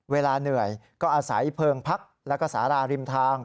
เวลาเหนื่อยก็อาศัยเพลิงพักแล้วก็สาราริมทาง